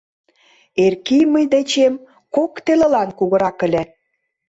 Эркий мый дечем кок телылан кугурак ыле.